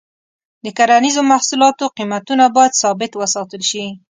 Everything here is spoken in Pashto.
د کرنیزو محصولاتو قیمتونه باید ثابت وساتل شي.